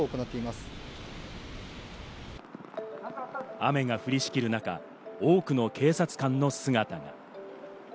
雨が降りしきる中、多くの警察官の姿が。